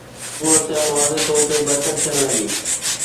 صورتحال واضح طور تي بهتر ٿيڻ لڳي.